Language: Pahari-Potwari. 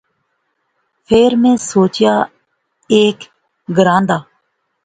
فیر میں سوچیا ہیک گراں دا